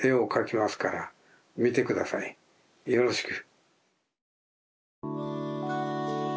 よろしく。